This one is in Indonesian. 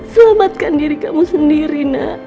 selamatkan diri kamu sendiri nak